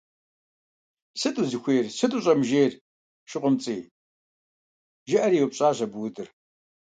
Сыт узыхуейр, сыт ущӀэмыжейр, ШыкъумцӀий, - жиӀэри еупщӀащ абы Удыр.